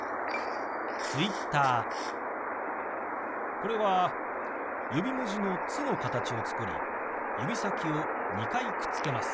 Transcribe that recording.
これは指文字の「つ」の形を作り指先を２回くっつけます。